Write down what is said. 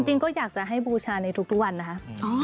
จริงก็อยากจะให้บูชาในทุกวันนะคะ